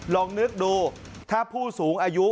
ลองนึกดูถ้าผู้สูงอายุ